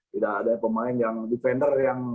tidak ada pemain yang defender yang